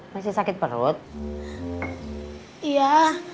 masih sakit perut iya